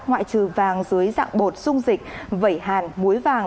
ngoại trừ vàng dưới dạng bột dung dịch vẩy hàn muối vàng